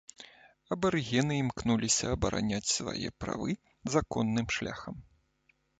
Абарыгены імкнуліся абараняць свае правы законным шляхам.